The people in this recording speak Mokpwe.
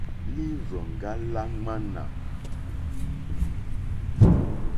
Lírzòŋɡá lá ŋwánà.